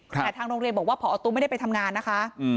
แต่ทางโรงเรียนบอกว่าพอตู้ไม่ได้ไปทำงานนะคะ